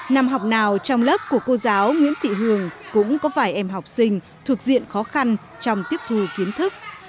năm học nào trong lớp của cô giáo nguyễn thị hường cũng có vài em học sinh thuộc diện khó khăn trong tiếp thu kiến thức